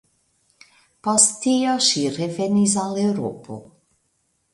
Post tio ŝi revenis al Eŭropo.